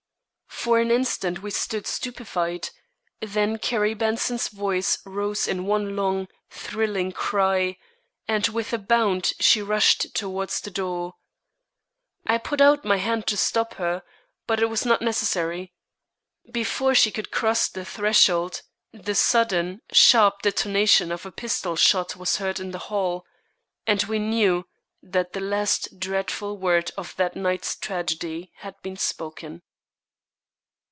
For an instant we stood stupefied, then Carrie Benson's voice rose in one long, thrilling cry, and with a bound she rushed toward the door. I put out my hand to stop her, but it was not necessary. Before she could cross the threshold the sudden, sharp detonation of a pistol shot was heard in the hall, and we knew that the last dreadful word of that night's tragedy had been spoken.